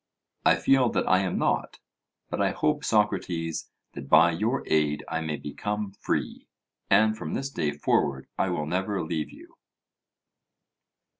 'I feel that I am not; but I hope, Socrates, that by your aid I may become free, and from this day forward I will never leave you.'